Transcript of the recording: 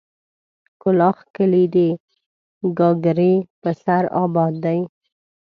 کلاخ کلي د گاگرې په سر اباد دی.